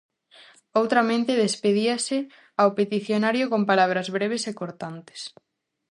Outramente despedíase ao peticionario con palabras breves e cortantes.